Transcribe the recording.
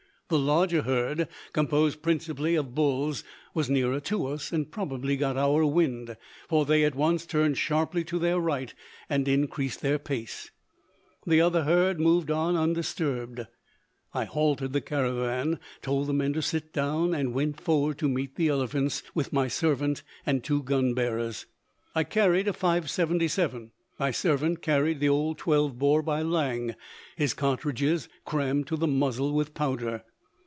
The larger herd, composed principally of bulls, was nearer to us, and probably got our wind; for they at once turned sharply to their right and increased their pace. The other herd moved on undisturbed. I halted the caravan, told the men to sit down and went forward to meet the elephants, with my servant and two gun bearers. I carried a .577, my servant carried the old 12 bore by Lang, his cartridges crammed to the muzzle with powder.